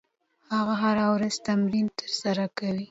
هغه هره ورځ تمرین ترسره کوي.